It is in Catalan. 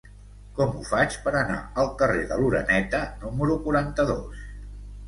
Com ho faig per anar al carrer de l'Oreneta número quaranta-dos?